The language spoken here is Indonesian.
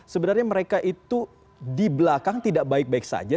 sebenarnya mereka itu di belakang tidak baik baik saja